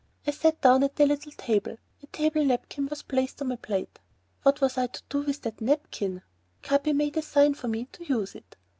I sat down at the little table; a table napkin was placed on my plate. What was I to do with the napkin? Capi made a sign for me to use it.